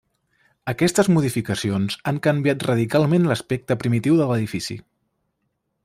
Aquestes modificacions han canviat radicalment l'aspecte primitiu de l'edifici.